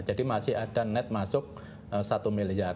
jadi masih ada net masuk satu miliar